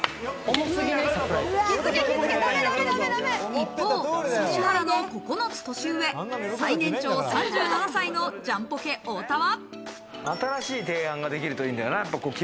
一方、指原の９つ年上、最年長３７歳のジャンポケ・太田は。